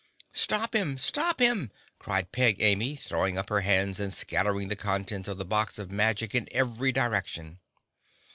_ "Stop him! Stop him!" cried Peg Amy, throwing up her hands and scattering the contents of the box of magic in every direction.